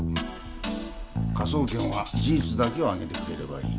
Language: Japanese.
科捜研は事実だけを挙げてくれればいい。